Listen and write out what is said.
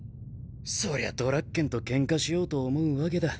そりゃドラッケンとケンカしようと思うわけだ。